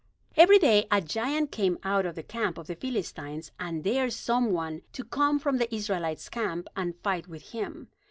Every day a giant came out of the camp of the Philistines, and dared some one to come from the Israelites' camp and fight with him.